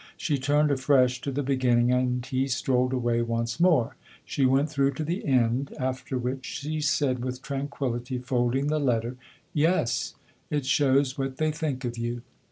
She turned afresh to the beginning, and he strolled away once more. She went through to the end ; after which she said with tranquillity, folding the letter :" Yes ; it show r s what they think of you."